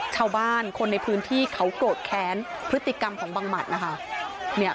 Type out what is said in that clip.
ชาวบ้านคนในพื้นที่เขาโกรธแค้นพฤติกรรมของบังหมัดนะคะ